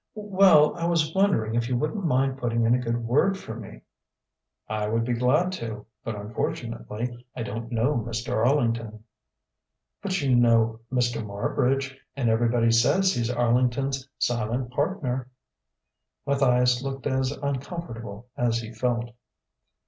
"Well, I was wondering if you wouldn't mind putting in a good word for me." "I would be glad to, but unfortunately I don't know Mr. Arlington." "But you know Mr. Marbridge, and everybody says he's Arlington's silent partner." Matthias looked as uncomfortable as he felt.